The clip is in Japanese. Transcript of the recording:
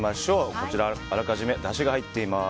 こちら、あらかじめだしが入っています。